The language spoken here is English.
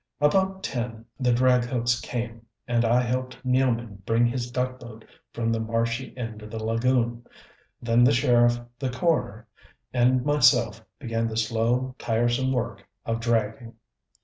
About ten the drag hooks came, and I helped Nealman bring his duckboat from the marshy end of the lagoon. Then the sheriff, the coroner and myself began the slow, tiresome work of dragging.